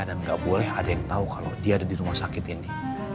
dan gak boleh ada yang tahu kalau dia ada di rumah sakit ini